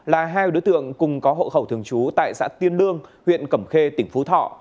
là hai đối tượng cùng có hộ khẩu thường trú tại xã tiên lương huyện cẩm khê tỉnh phú thọ